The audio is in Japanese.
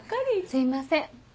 すいません